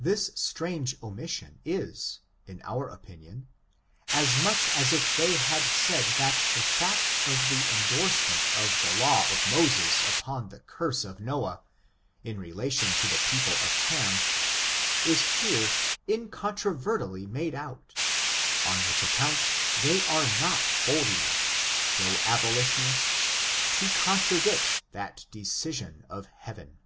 This strange omission is, in our opinion, as much as if they had said that tlie fact of the indorsement of the law #«^^N^^ ^^^^^^^^^^^^ FORTUNES, OP THE NEGRO RACE. 117 of Moses upon the curse of Noah, in relation to the people of Ham, is here incontrovertibly made out, on which account, they were not bold enough, though abolitionists, to contradict that decision of heaven.